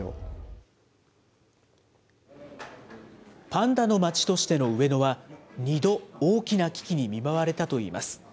パンダの街としての上野は、２度、大きな危機に見舞われたといいます。